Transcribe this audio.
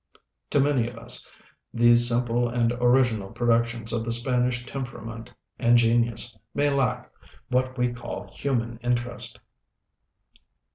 To many of us, these simple and original productions of the Spanish temperament and genius may lack what we call "human interest."